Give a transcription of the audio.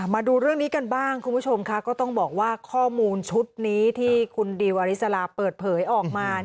มาดูเรื่องนี้กันบ้างคุณผู้ชมค่ะก็ต้องบอกว่าข้อมูลชุดนี้ที่คุณดิวอริสลาเปิดเผยออกมา